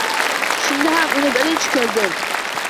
Shunda ham uni birinchi ko‘rdim.